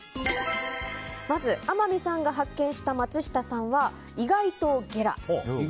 天海さんが発見した松下さんは意外とゲラ。